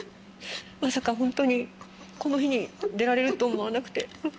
まさかホントにこの日に出られると思わなくて。